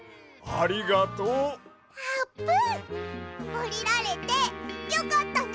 おりられてよかったね！